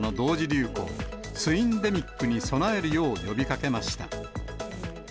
流行、ツインデミックに備えるよう呼びかけました。